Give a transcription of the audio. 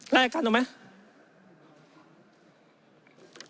แลกกันเอาไหม